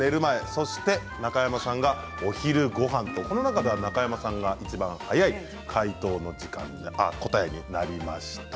そして中山さんがお昼ごはんとこの中では中山さんがいちばん早い答えになりました。